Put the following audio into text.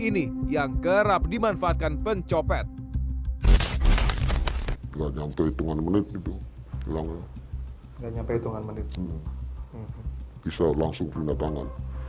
ini yang kerap dimanfaatkan pencopet yang kerap dimanfaatkan pencopet yang kerap dimanfaatkan pencopet